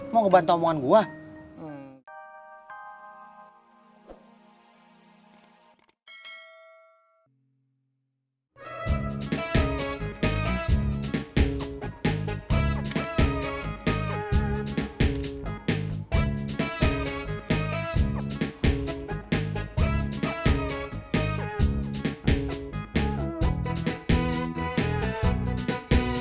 mau ngebantu omongan gue